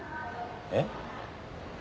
えっ？